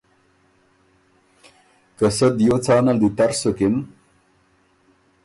که سۀ دیو څانل دی تر سُکِن۔